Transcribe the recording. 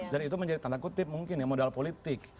dan itu menjadi tanda kutip mungkin ya modal politik